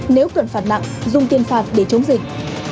nếu cần phạt nặng dùng tiền phạt để chống dịch